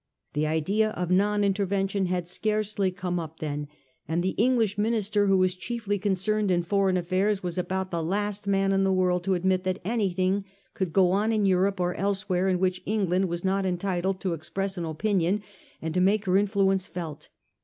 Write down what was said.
The idea of non intervention had scarcely come up then, and the English minister who was chiefly concerned in foreign affairs was about the last man in the world to admit that anything could go on in Europe or elsewhere in which England was not entitled to express an opinion, and to make her influence felt.